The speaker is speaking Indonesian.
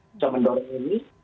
kita mendorong ini